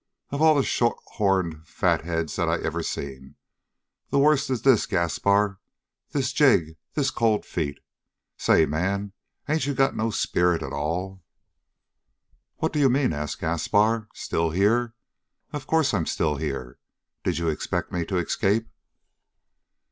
Of all the shorthorned fatheads that I ever seen, the worst is this Gaspar this Jig this Cold Feet. Say, man, ain't you got no spirit at all?" "What do you mean?" asked Gaspar. "Still here? Of course I'm still here! Did you expect me to escape?"